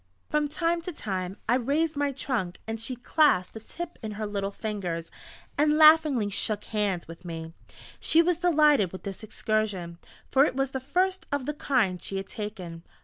From time to time I raised my trunk and she clasped the tip in her little fingers, and laughingly "shook hands" with me! She was delighted with this excursion, for it was the first of the kind she had taken.